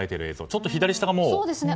ちょっと左下がもう。